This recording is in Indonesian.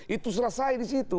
itu selesai disitu